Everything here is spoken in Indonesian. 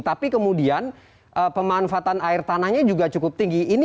tapi kemudian pemanfaatan air tanahnya juga cukup tinggi